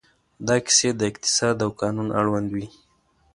دا کیسې د اقتصاد او قانون اړوند وې.